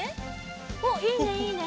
おっいいねいいね！